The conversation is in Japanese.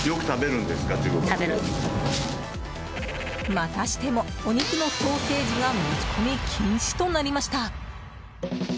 またしてもお肉のソーセージが持ち込み禁止となりました。